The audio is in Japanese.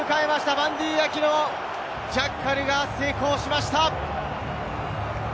バンディー・アキのジャッカルが成功しました！